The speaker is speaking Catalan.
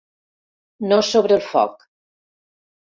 No sobre el foc.